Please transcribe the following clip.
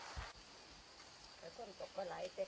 จากฝั่งภูมิธรรมฝั่งภูมิธรรม